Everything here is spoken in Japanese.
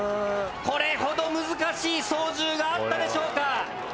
これほど難しい操縦があったでしょうか。